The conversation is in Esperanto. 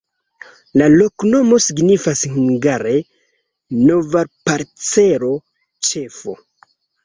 La loknomo signifas hungare: nova-parcelo-ĉefo.